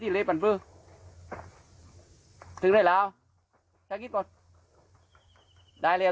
ทีละตัวทีละตัว